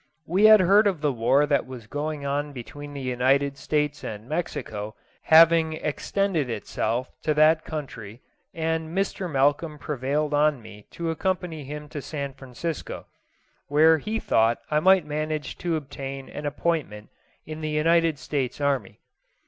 We had heard of the war that was going on between the United States and Mexico having extended itself to that country, and Mr. Malcolm prevailed on me to accompany him to San Francisco, where he thought I might manage to obtain an appointment in the United States army.